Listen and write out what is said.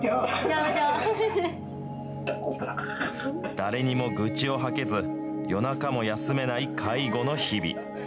誰にも愚痴を吐けず、夜中も休めない介護の日々。